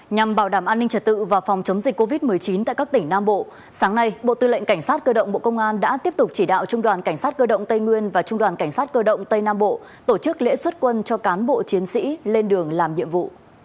nhằm bảo đảm an ninh trật tự và phòng chống dịch covid một mươi chín tại các tỉnh nam bộ sáng nay bộ tư lệnh cảnh sát cơ động bộ công an đã tiếp tục chỉ đạo trung đoàn cảnh sát cơ động tây nguyên và trung đoàn cảnh sát cơ động tây nam bộ tổ chức lễ xuất quân cho cán bộ chiến sĩ lên đường làm nhiệm vụ